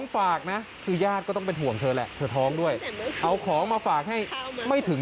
ถามว่าคุณน้องเขาเจออะไรบ้าง